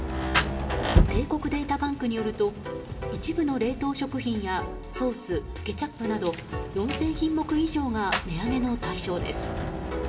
帝国データバンクによると一部の冷凍食品やソース、ケチャップなど４０００品目以上が値上げの対象です。